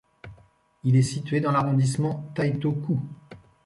Il est situé dans l'arrondissement Taito-ku.